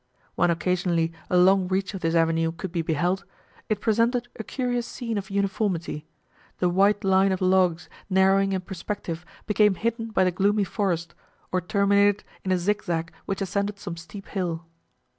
When occasionally a long reach of this avenue could be beheld, it presented a curious scene of uniformity: the white line of logs, narrowing in perspective, became hidden by the gloomy forest, or terminated in a zigzag which ascended some steep hill.